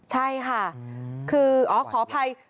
ใช่ค่ะคืออ๋อขออภัย